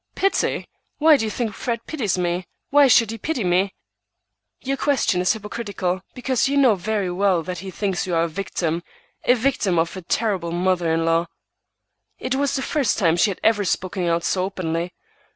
"Pity! Why do you think Fred pities me? Why should he pity me?" "Your question is hypocritical, because you know very well that he thinks you are a victim,—a victim of a terrible mother in law." It was the first time she had ever spoken out so openly.